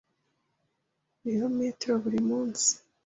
ilometero buri munsi.